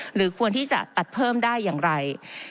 หรือควรที่จะตัดเพิ่มได้อย่างไร